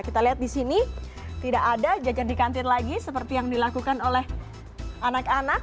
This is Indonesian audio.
kita lihat di sini tidak ada jajar di kantin lagi seperti yang dilakukan oleh anak anak